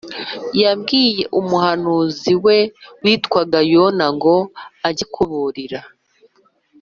yabwiye umuhanuzi we witwaga Yona ngo ajye kubaburira